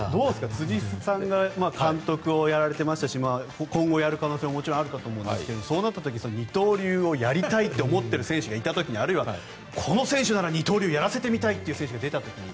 辻さん監督をやられていましたし今後、やる可能性もあると思いますがそうなった時二刀流をやりたいと思っている選手がいた時もしくはこの選手だったらやらせてみたいって選手が出た時に。